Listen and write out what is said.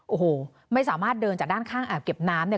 โอ้โหไม่สามารถเดินจากด้านข้างอ่างเก็บน้ำเนี่ย